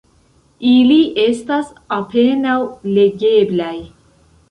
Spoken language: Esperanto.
Ili estas apenaŭ legeblaj.